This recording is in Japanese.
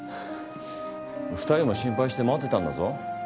２人も心配して待ってたんだぞ。